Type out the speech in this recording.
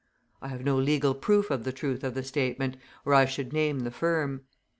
I have no legal proof of the truth of the statement, or I should name the firm.